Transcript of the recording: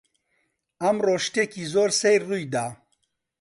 ئەمڕۆ شتێکی زۆر سەیر ڕووی دا.